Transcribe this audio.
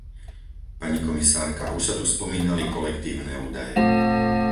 Pani komisárka, už sa tu spomínali kolektívne údaje.